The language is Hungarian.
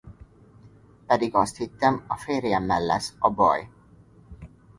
Pedig azt hittem, a fejemmel lesz a baj.